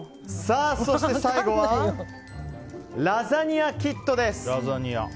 そして最後はラザニアキットです。